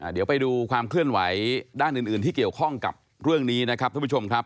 เดี๋ยวไปดูความเคลื่อนไหวด้านอื่นที่เกี่ยวข้องกับเรื่องนี้นะครับท่านผู้ชมครับ